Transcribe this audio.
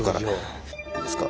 いいですか？